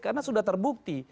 karena sudah terbukti